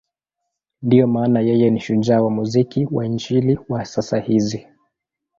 Ndiyo maana yeye ni shujaa wa muziki wa Injili wa sasa hizi.